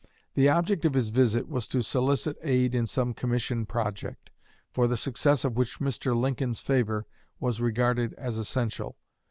The object of his visit was to solicit aid in some commission project, for the success of which Mr. Lincoln's favor was regarded as essential.